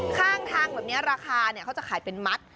ข้างทางแบบเนี้ยราคาเนี้ยเขาจะขายเป็นมัตต์